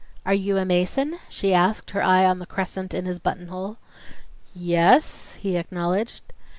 "Are you a Mason?" she asked, her eye on the crescent in his buttonhole. "Y yes," he acknowledged.